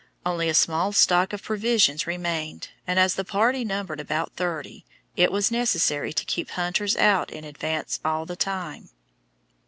Only a small stock of provisions remained, and as the party numbered about thirty, it was necessary to keep hunters out in advance all the time.